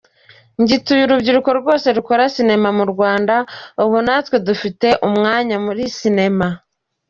Ngituye urubyiruko rwose rukora sinema mu Rwanda, ubu natwe dufite umwanya muri sinema.